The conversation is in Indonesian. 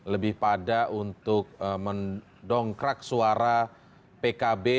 lebih pada untuk mendongkrak suara pkb